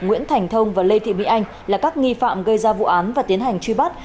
nguyễn thành thông và lê thị mỹ anh là các nghi phạm gây ra vụ án và tiến hành truy bắt